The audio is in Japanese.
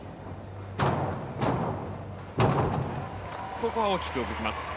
ここは大きく動きます。